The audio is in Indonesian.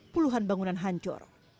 puluhan bangunan hancur